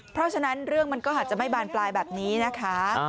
เพราะฉะนั้นเรื่องมันก็อาจจะไม่บานปลายแบบนี้นะคะ